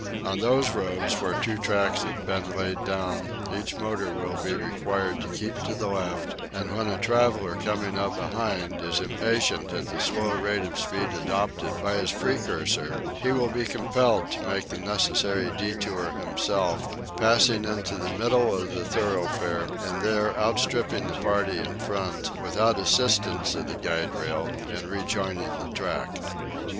On those roads where two tracks have been laid down each motor will be required to keep to the left, and when a traveller coming up behind is impatient at the slow rate of speed adopted by his precursor he will be compelled to make the necessary détour himself, passing into the middle of the thoroughfare and there outstripping the party in front, without the assistance of the guide rail, and rejoining the track.